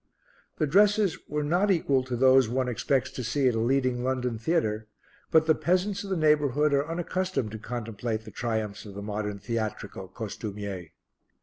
The dresses were not equal to those one expects to see at a leading London theatre, but the peasants of the neighbourhood are unaccustomed to contemplate the triumphs of the modern theatrical costumier.